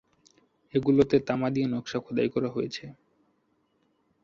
এগুলোতে তামা দিয়ে নকশা খোদাই করা হয়েছে।